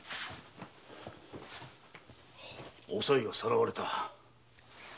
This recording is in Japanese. おさいがさらわれた。